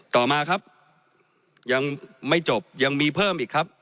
ต่อมาครับยังไม่จบยังมีเพิ่มอีกครับ